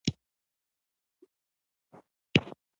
• شیدې د وزن کمولو لپاره هم ګټورې دي.